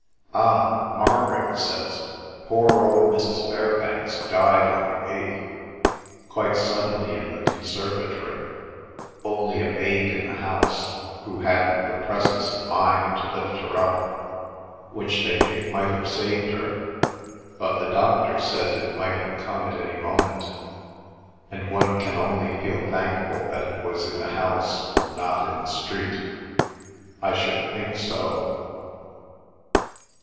Ah! Margaret says, 'Poor old Mrs. Fairbank died on the eighth, quite suddenly in the conservatory, only a maid in the house, who hadn't the presence of mind to lift her up, which they think might have saved her, but the doctor says it might have come at any moment, and one can only feel thankful that it was in the house and not in the street (I should think so!).